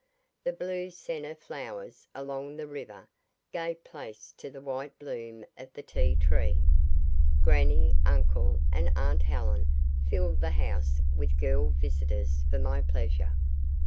The blue senna flowers along the river gave place to the white bloom of the tea tree. Grannie, uncle, and aunt Helen filled the house with girl visitors for my pleasure.